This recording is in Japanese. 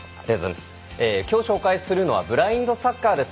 きょう紹介するのはブラインドサッカーです。